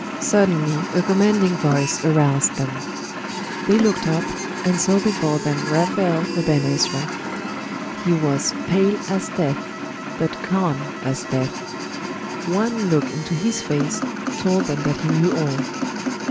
Suddenly a commanding voice aroused them. They looked up, and saw before them Raphael Aben Ezra. He was pale as death, but calm as death. One look into his face told them that he knew all.